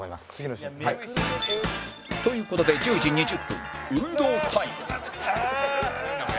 という事で１０時２０分運動タイム